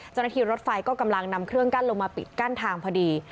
รถไฟก็กำลังนำเครื่องกั้นลงมาปิดกั้นทางพอดี